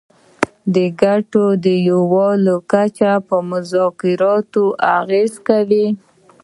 د ګټو د یووالي کچه په مذاکراتو اغیزه کوي